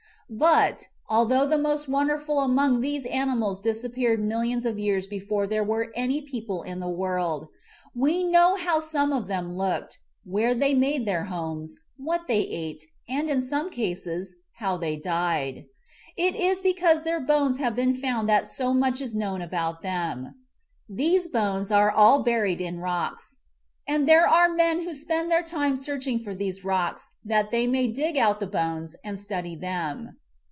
But, although the most wonderful among these animals disappeared millions of years before there were any people in the world, we know how some of them looked, where they made their homes, what they ate, and, in some cases, how they died. It is because their bones have been found that so much is known about them. These bones are all buried in rocks, and there are men who spend their time searching for these rocks that they may dig out the bones and study them.